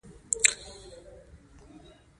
طلا د افغانستان د ځایي اقتصادونو بنسټ دی.